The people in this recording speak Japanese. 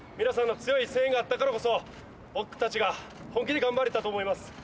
皆さんの強い声援があったからこそ僕たちが本気で頑張れたと思います。